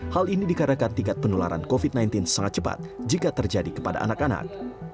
hal ini dikarenakan tingkat penularan covid sembilan belas sangat cepat jika terjadi kepada anak anak